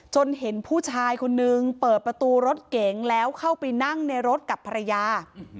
เห็นผู้ชายคนนึงเปิดประตูรถเก๋งแล้วเข้าไปนั่งในรถกับภรรยา